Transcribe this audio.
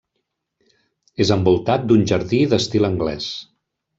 És envoltat d'un jardí d'estil anglès.